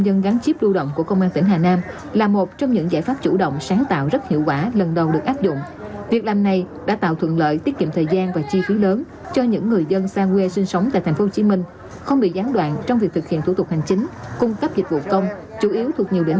đây là điểm được công an tỉnh hà nam phối hợp với cục cảnh sát quản lý hành chính về trật tự xã hội tiến hành cấp căn cứ công dân và mã số định danh cho người dân sinh sống làm việc học tập tại tp hcm